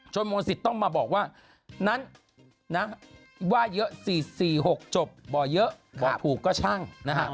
ชนมงสิตต้องมาบอกว่านั้นว่าเยอะ๔๔๖จบบอกเยอะบอกผูกก็ช่างนะครับ